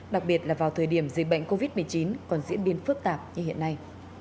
đặc biệt là vào thời điểm dịch bệnh covid một mươi chín còn diễn biến phức tạp như hiện nay